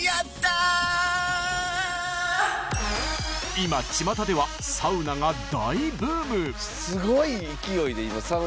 今ちまたではサウナが大ブーム！